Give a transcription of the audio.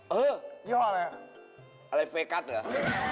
เฮ้ยแมวยี่ห้ออะไรอะไรเฟคัทเหรอ